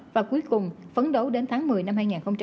và cuối cùng phấn đấu đến tháng một mươi năm hai nghìn hai mươi